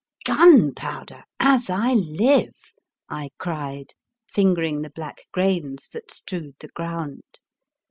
" Gunpowder, as I live! " I cried, fingering the black grains that strewed the ground.